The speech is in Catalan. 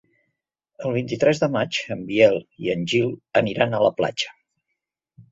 El vint-i-tres de maig en Biel i en Gil aniran a la platja.